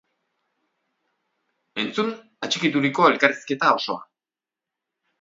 Entzun atxikituriko elkarrizketa osoa!